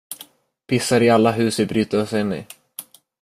Pissar i alla hus vi bryter oss in i.